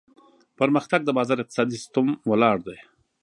پرمختګ د بازار اقتصادي سیستم ولاړ دی.